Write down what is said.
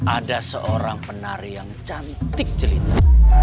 ada seorang penari yang cantik jelita